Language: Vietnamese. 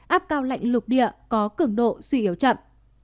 áp cao lạnh lục địa có cường độ suy yếu chậm